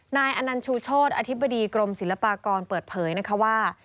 อนันชูโชธอธิบดีกรมศิลปากรเปิดเผยนะคะว่า